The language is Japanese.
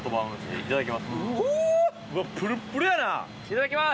いただきます！